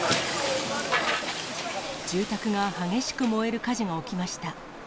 住宅が激しく燃える火事が起きました。